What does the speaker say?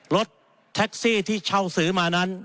รถแท็กซี่ที่เช่าซื้อมานั้น